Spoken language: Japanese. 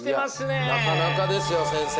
なかなかですよ先生。